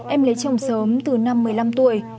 em lấy chồng sớm từ năm một mươi năm tuổi